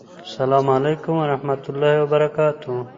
سلام علیکم ورحمته الله وبرکاته